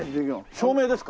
照明ですか？